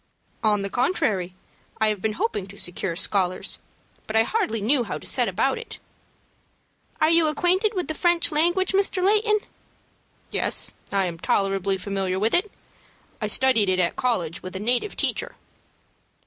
"On the contrary, I have been hoping to secure scholars; but I hardly knew how to set about it." "Are you acquainted with the French language, Mr. Layton?" "Yes, I am tolerably familiar with it. I studied it at college with a native teacher."